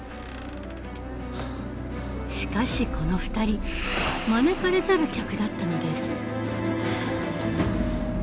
しかしこの２人招かれざる客だったのです。